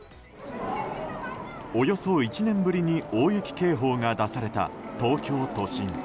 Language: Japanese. およそ１年ぶりに大雪警報が出された東京都心。